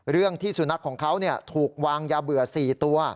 เรื่องที่สุนัขของเขาถูกวางยาเบื่อ๔ตัว